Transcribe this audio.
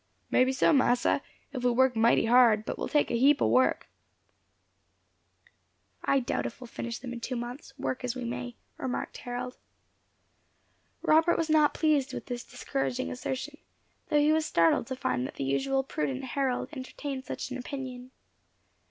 "May be so, massa, if we work mighty hard; but it will take a heap o' work." "I doubt if we finish them in two months, work as we may," remarked Harold. Robert was not pleased with this discouraging assertion, though he was startled to find that the usual prudent Harold entertained such an opinion.